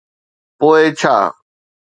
پوءِ ڇا؟